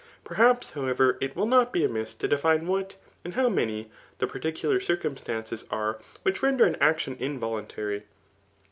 Perhaps, however, it will not be amiss, to define what, and Iu>w many [the particular circumstances are which render an action involuntary.